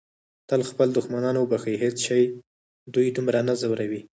تل خپل دښمنان وبښئ. هیڅ شی دوی دومره نه ځوروي.